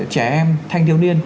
trẻ em thanh thiếu niên